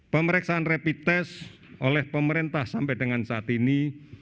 pemeriksaan rapid test oleh pemerintah sampai dengan saat ini